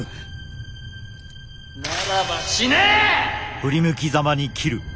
ならば死ねえ！